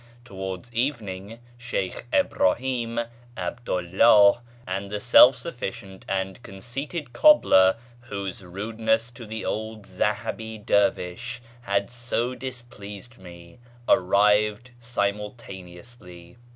Towards evening, Sheykh Ibrahim, 'Abdu 'llah, and the self sufficient and conceited cobbler, whose rudeness to the old Zahabi dervish had so displeased me, arrived simultaneously.